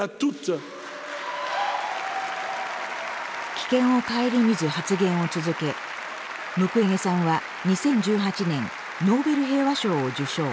危険を顧みず発言を続けムクウェゲさんは２０１８年ノーベル平和賞を受賞。